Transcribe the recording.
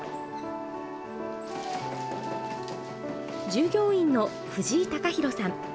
従業員の藤井貴寛さん。